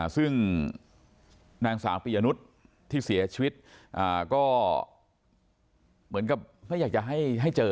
ซึ่งนางสาวปียนุษย์ที่เสียชีวิตก็เหมือนกับไม่อยากจะให้เจอ